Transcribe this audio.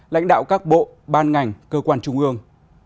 lãnh đạo các bộ ban ngành cơ quan trung ương